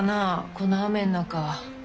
この雨ん中。